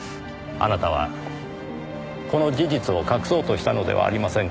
あなたはこの事実を隠そうとしたのではありませんか？